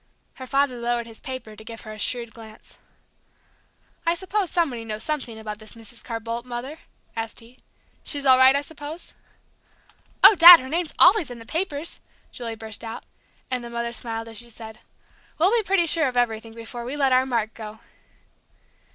Her father lowered his paper to give her a shrewd glance. "I suppose somebody knows something about this Mrs. Carr Boldt, Mother?" asked he. "She's all right, I suppose?" "Oh, Dad, her name's always in the papers," Julie burst out; and the mother smiled as she said, "We'll be pretty sure of everything before we let our Mark go!"